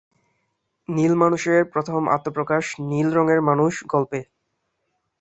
নীল মানুষের প্রথম আত্মপ্রকাশ "নীল রঙের মানুষ" গল্পে।